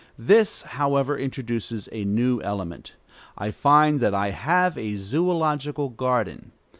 This, however, introduces a new element. I find that I have a zoölogical garden.